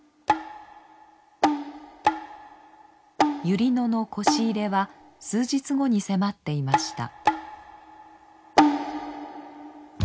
百合野のこし入れは数日後に迫っていました。